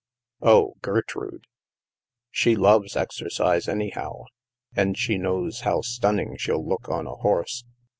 "Oh, Gertrude! She loves exercise, anyhow. And she knows how stunning she'll look on a horse."